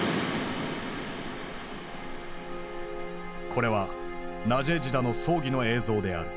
これはナジェージダの葬儀の映像である。